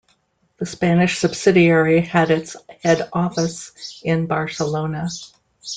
The Spanish subsidiary had its head office in Barcelona.